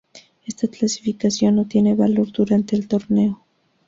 Esta clasificación no tiene valor durante el torneo.